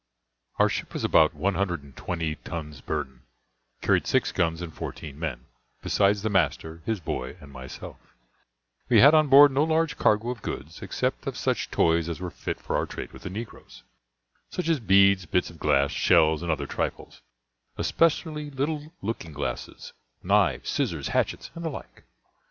Our ship was about 120 tons burden, carried six guns, and fourteen men, besides the master, his boy, and myself; we had on board no large cargo of goods, except of such toys as were fit for our trade with the negroes, such as beads, bits of glass, shells, and other trifles, especially little looking glasses, knives, scissors, hatchets, and the like.